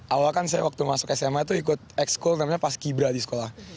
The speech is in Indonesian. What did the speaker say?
awal kan saya waktu masuk sma itu ikut ex school namanya paski bra di sekolah